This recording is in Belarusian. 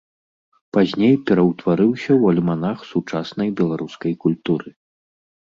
Пазней пераўтварыўся ў альманах сучаснай беларускай культуры.